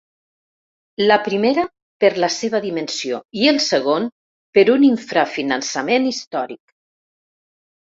La primera, per la seva dimensió i el segon, per un infrafinançament històric.